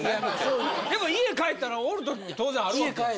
でも家帰ったらおる時も当然あるわけやんか。